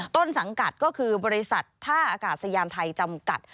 ต้นสังกัดก็คือบริษัทท่าอากาศยานไทยจำกัด